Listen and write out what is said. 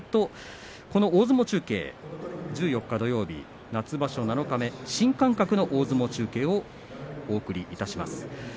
この大相撲中継１４日の土曜日、夏場所七日目新感覚の大相撲中継をお送りいたします。